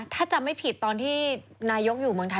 ถ้าจำไม่ผิดตอนที่นายกอยู่เมืองไทย